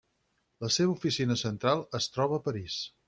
La seva oficina central es troba a París.